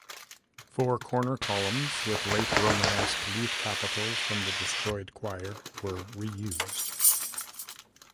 Four corner columns with late Romanesque leaf capitals from the destroyed choir were reused.